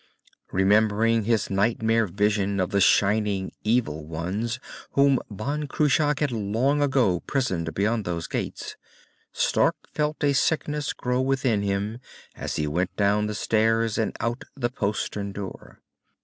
Remembering his nightmare vision of the shining, evil ones whom Ban Cruach had long ago prisoned beyond those gates, Stark felt a sickness grow within him as he went down the stair and out the postern door.